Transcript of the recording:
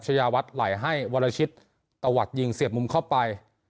ชายาวัฒน์ไหลให้วรชิตตะวัดยิงเสียบมุมเข้าไป